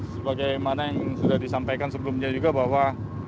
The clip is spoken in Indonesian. sebagaimana yang sudah disampaikan sebelumnya juga bahwa